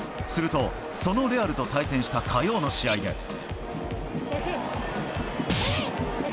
すると、そのレアルと対戦した火曜の試合で。